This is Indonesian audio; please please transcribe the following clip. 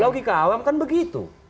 logika awam kan begitu